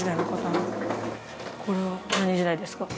これは何時代ですか？